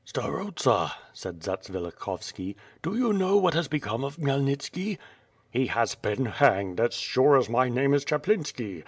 "Starosta," said Zatsvilikhovski: "Do you know what has become of Khmyelnitski?" "He has been hanged, as sure as my name is Chaplinski!